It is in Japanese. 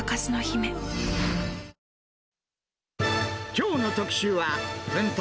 きょうの特集は、奮闘！